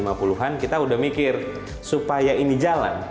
sejak kemudian kita sudah mikir supaya ini jalan